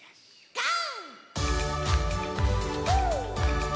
ゴー！